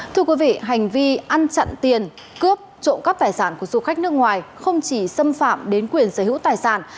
thưa quý vị hành vi ăn chặn tiền cướp trộm cắp tài sản của du khách nước ngoài không chỉ xâm phạm đến quyền sở hữu tài sản